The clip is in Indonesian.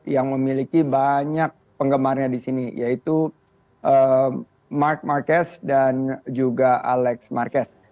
yang memiliki banyak penggemarnya di sini yaitu mark marquez dan juga alex marquez